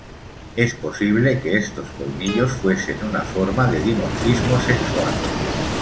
Es posible que estos colmillos fuesen una forma de dimorfismo sexual.